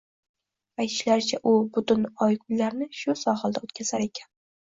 Aytishlaricha, u butun oy-kunlarini shu sohilda oʻtkazar ekan